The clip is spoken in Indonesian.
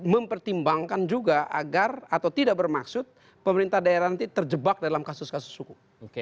mempertimbangkan juga agar atau tidak bermaksud pemerintah daerah nanti terjebak dalam kasus kasus suku